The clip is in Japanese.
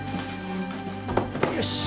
よし！